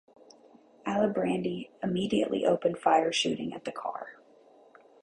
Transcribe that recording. Alibrandi immediately opened fire shooting at the car.